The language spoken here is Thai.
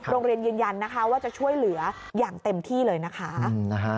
โรงเรียนยันว่าจะช่วยเหลืออย่างเต็มที่เลยนะคะ